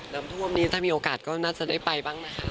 น้ำท่วมนี้ถ้ามีโอกาสก็น่าจะได้ไปบ้างนะคะ